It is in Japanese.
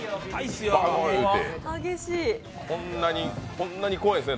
こんなに怖いんですね。